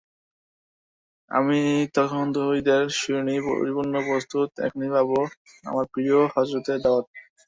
আমি তখন তৌহিদের শিরনিতে পরিপূর্ণ প্রস্তুত, এখনই পাব আমার প্রিয় হজরতের দাওয়াত।